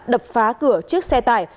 đập phá cửa trước xe tải